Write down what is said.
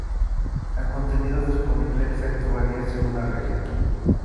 El contenido disponible exacto varía según la región.